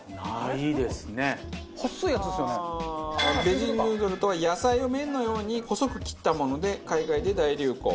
ベジヌードルとは野菜を麺のように細く切ったもので海外で大流行。